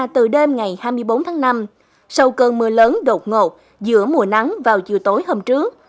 từ đêm ngày hai mươi bốn tháng năm sau cơn mưa lớn đột ngột giữa mùa nắng vào chiều tối hôm trước